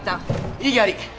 異議あり！